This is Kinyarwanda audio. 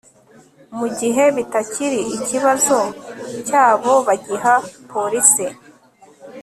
Mugihe bitakiri ikibazo cyabo bagiha police